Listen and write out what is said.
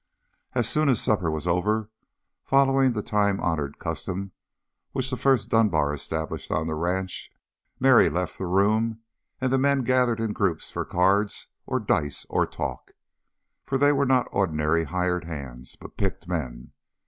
As soon as supper was over, following the time honored custom which the first Dunbar established on the ranch, Mary left the room, and the men gathered in groups for cards or dice or talk, for they were not ordinary hired hands, but picked men.